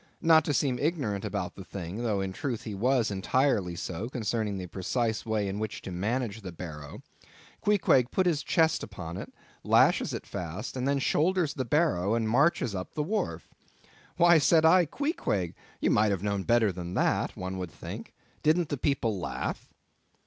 Not to seem ignorant about the thing—though in truth he was entirely so, concerning the precise way in which to manage the barrow—Queequeg puts his chest upon it; lashes it fast; and then shoulders the barrow and marches up the wharf. "Why," said I, "Queequeg, you might have known better than that, one would think. Didn't the people laugh?"